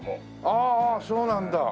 ああそうなんだ。